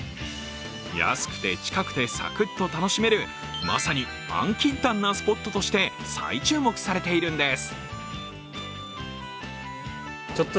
安くて近くてさくっと楽しめる、まさに安・近・短なスポットとして再注目されているんです。